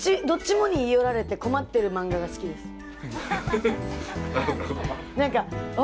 どっちもに言い寄られて困っている漫画が好きです。